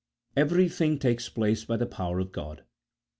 Everything takes place by the power of God.